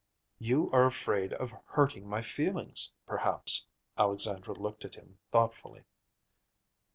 "You are afraid of hurting my feelings, perhaps." Alexandra looked at him thoughtfully.